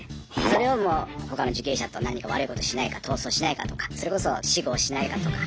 それを他の受刑者と何か悪いことしないか逃走しないかとかそれこそ私語をしないかとか。